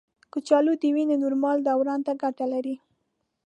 کچالو د وینې نورمال دوران ته ګټه لري.